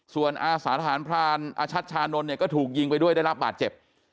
ส่วนอาสาทหารพรานอาชัชชานนท์เนี่ยก็ถูกยิงไปด้วยได้รับบาดเจ็บ